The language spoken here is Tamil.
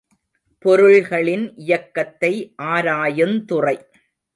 பொருள்களின் இயக்கத்தை ஆராயுந்துறை.